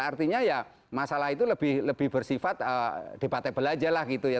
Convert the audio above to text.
artinya ya masalah itu lebih bersifat debatable aja lah gitu ya